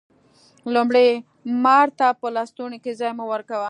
لومړی: مار ته په لستوڼي کی ځای مه ورکوه